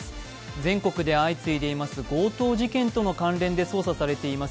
全国で相次いでいます強盗事件との関連で捜査されています